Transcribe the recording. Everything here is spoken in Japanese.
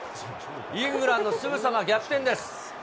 イングランド、すぐさま逆転です。